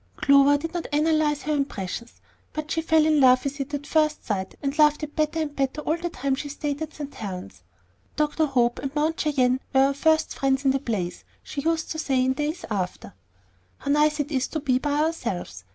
Clover did not analyze her impressions, but she fell in love with it at first sight, and loved it better and better all the time that she stayed at St. Helen's. "Dr. Hope and Mount Cheyenne were our first friends in the place," she used to say in after days. "How nice it is to be by ourselves!"